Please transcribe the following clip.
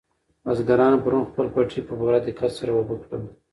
بزګرانو پرون خپل پټي په پوره دقت سره اوبه کړل.